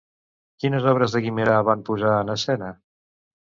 Quines obres de Guimerà van posar en escena?